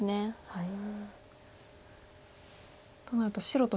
はい。